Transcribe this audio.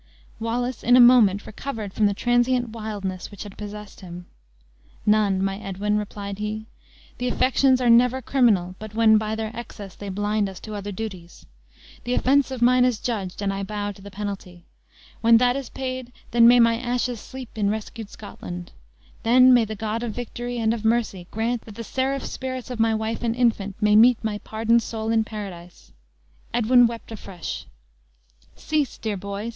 Wallace in a moment recovered from the transient wildness which had possessed him. "None, my Edwin," replied he; "the affections are never criminal but when by their excess they blind us to other duties. The offense of mine is judged, and I bow to the penalty. When that is paid, then may my ashes sleep in rescued Scotland! Then may the God of victory and of mercy grant that the seraph spirits of my wife and infant may meet my pardoned soul in paradise." Edwin wept afresh. "Cease, dear boy!"